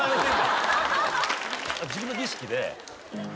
自分の儀式で。